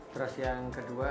terus yang kedua